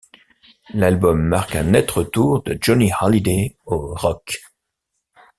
L'album marque un net retour de Johnny Hallyday au rock.